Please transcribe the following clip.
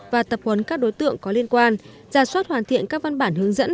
và tập huấn các đối tượng có liên quan ra soát hoàn thiện các văn bản hướng dẫn